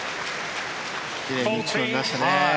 奇麗に打ち込みましたね。